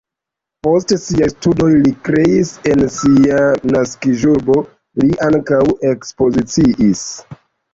Post siaj studoj li kreis en sia naskiĝurbo, li ankaŭ ekspoziciis.